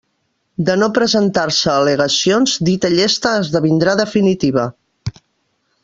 De no presentar-se al·legacions dita llesta esdevindrà definitiva.